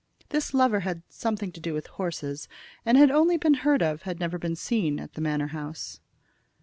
This lover had something to do with horses, and had only been heard of, had never been seen, at the Manor house.